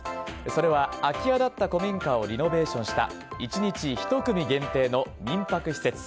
それは、空き家だった古民家をリノベーションした１日１組限定の民泊施設。